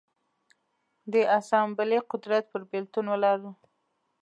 د اسامبلې قدرت پر بېلتون ولاړ و.